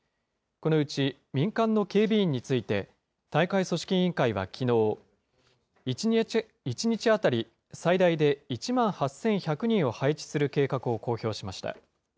このうち民間の警備員について、大会組織委員会はきのう、１日当たり最大で１万８１００人を配置する計画を公表しました。